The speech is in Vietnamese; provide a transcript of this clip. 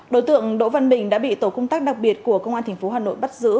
đối tượng đỗ văn bình đã bị tổ công tác đặc biệt của công an tp hà nội bắt giữ